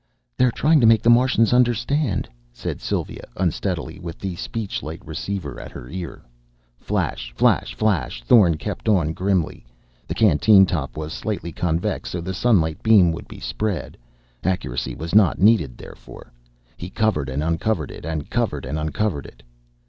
"They're trying to make the Martians understand," said Sylva unsteadily with the speech light receiver at her ear. Flash flash flash.... Thorn kept on grimly. The canteen top was slightly convex, so the sunlight beam would spread. Accuracy was not needed, therefore. He covered and uncovered it, and covered and uncovered it....